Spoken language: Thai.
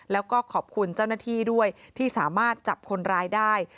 แล้วก็ขอบคุณเจ้าหน้าที่ด้วยที่สามารถจับคนร้ายได้